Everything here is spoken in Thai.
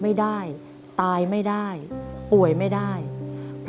ทำงานชื่อนางหยาดฝนภูมิสุขอายุ๕๔ปี